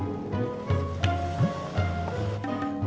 buat temen saya